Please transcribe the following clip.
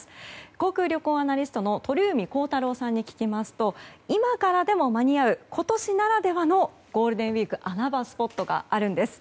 航空・旅行アナリストの鳥海高太朗さんに聞きますと今からでも間に合う今年ならではのゴールデンウィーク穴場スポットがあるんです。